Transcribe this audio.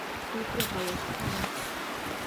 Upyapayashkani